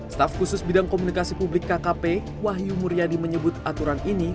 staf khusus bidang komunikasi publik kkp wahyu muryadi menyebut aturan ini